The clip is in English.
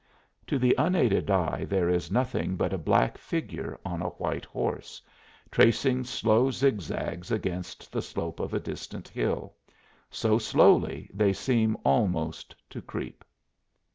To the unaided eye there is nothing but a black figure on a white horse, tracing slow zigzags against the slope of a distant hill so slowly they seem almost to creep.